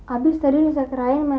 abis tadi nisa kerahin main main bu